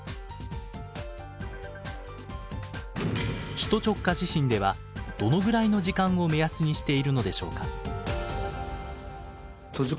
首都直下地震ではどのぐらいの時間を目安にしているのでしょうか？